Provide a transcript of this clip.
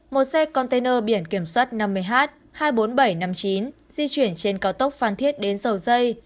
một xe container biển kiểm soát năm mươi h hai mươi bốn nghìn bảy trăm năm mươi chín di chuyển trên cao tốc phan thiết đến dầu dây